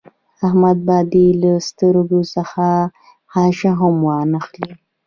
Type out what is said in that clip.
احمد به دې له سترګو څخه خاشه هم وانخلي.